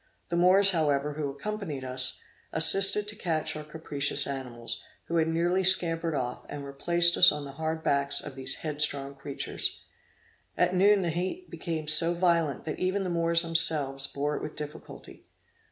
The Moors, however, who accompanied us, assisted to catch our capricious animals, who had nearly scampered off, and replaced us on the hard backs of these headstrong creatures. At noon the heat became so violent, that even the Moors themselves bore it with difficulty.